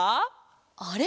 あれ？